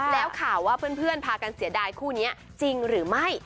แล้วข่าวว่าเพื่อนพากันเสียดายคู่นี้จริงหรือไม่